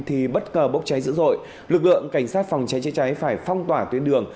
thì bất ngờ bốc cháy dữ dội lực lượng cảnh sát phòng cháy chế cháy phải phong tỏa tuyến đường